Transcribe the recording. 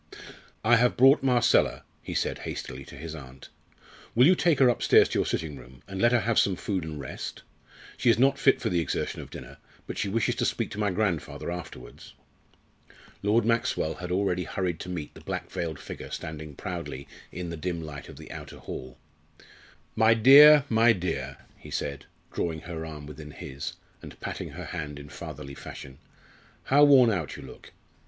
"I have brought Marcella," he said hastily to his aunt. "Will you take her upstairs to your sitting room, and let her have some food and rest? She is not fit for the exertion of dinner, but she wishes to speak to my grandfather afterwards." Lord Maxwell had already hurried to meet the black veiled figure standing proudly in the dim light of the outer hall. "My dear! my dear!" he said, drawing her arm within his, and patting her hand in fatherly fashion. "How worn out you look!